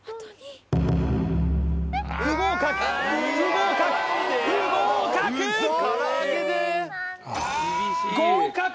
不合格不合格不合格ああああ